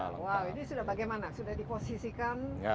wow ini sudah bagaimana sudah diposisikan